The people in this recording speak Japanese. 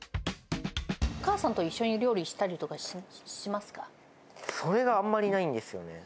お母さんと一緒に料理したりそれがあんまりないんですよね。